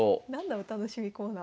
「お楽しみコーナー」。